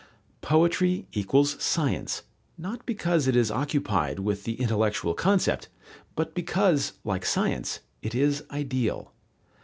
Poetry equals science, not because it is occupied with the intellectual concept, but because, like science, it is ideal.